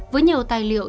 với nhiều tài liệu